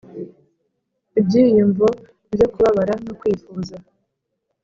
ibyiyumvo byo kubabara no kwifuza,